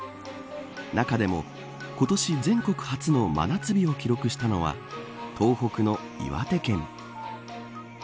中でも、今年全国初の真夏日を記録したのは東北の岩手県。